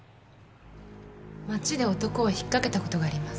街で男を引っ掛けた事があります。